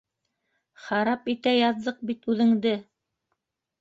Харап итә яҙҙыҡ бит үҙеңде!